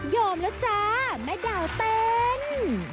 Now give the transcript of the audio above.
ยอมแล้วจ้าแม่ดาวเป็น